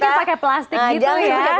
jangan pakai plastik jangan pakai stereofoam